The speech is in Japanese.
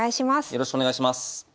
よろしくお願いします。